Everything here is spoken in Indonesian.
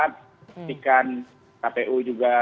ketika kpu juga